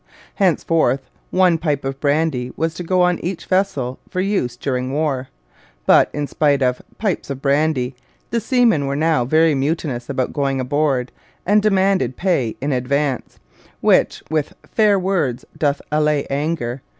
Henceforth 'one pipe of brandy' was to go on each vessel for use during war; but, in spite of 'pipes of brandy,' the seamen were now very mutinous about going aboard, and demanded pay in advance, which with 'faire words doth allay anger.'